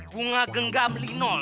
bunga genggam lino